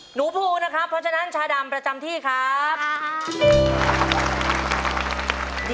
หนูภูนะครับเพราะฉะนั้นชาดำประจำที่ครับ